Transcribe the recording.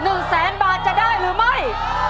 หนึ่งแสนบาทจะได้หรือไม่